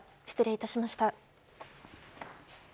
失礼致しました。